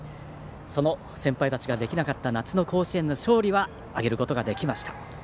その先輩たちができなかった夏の甲子園の勝利は挙げることができました。